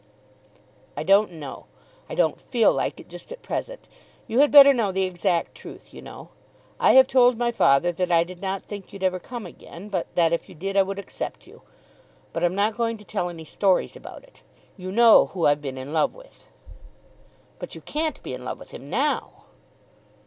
"I don't know. I don't feel like it just at present. You had better know the exact truth, you know. I have told my father that I did not think you'd ever come again, but that if you did I would accept you. But I'm not going to tell any stories about it. You know who I've been in love with." "But you can't be in love with him now."